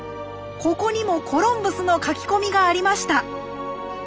ここにもコロンブスの書き込みがありました！